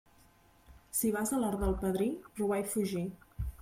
Si vas a l'hort del padrí, robar i fugir.